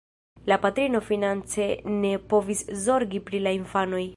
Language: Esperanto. La patrino finance ne povis zorgi pri la infanoj.